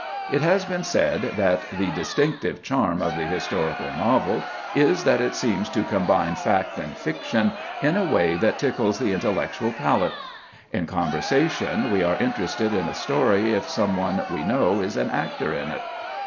It has been said that "the distinctive charm of the historical novel is that it seems to combine fact and fiction in a way that tickles the intellectual palate. In conversation we are interested in a story if some one we know is an actor in it.